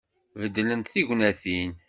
Beddlent tegnatin.